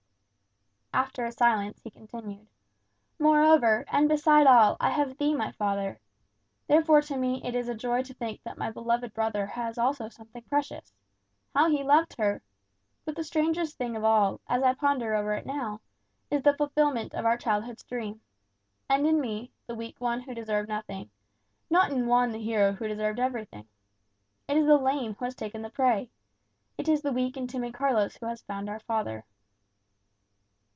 After a silence, he continued, "Moreover, and beside all, I have thee, my father. Therefore to me it is a joy to think that my beloved brother has also something precious. How he loved her! But the strangest thing of all, as I ponder over it now, is the fulfilment of our childhood's dream. And in me, the weak one who deserved nothing, not in Juan the hero who deserved everything. It is the lame who has taken the prey. It is the weak and timid Carlos who has found our father."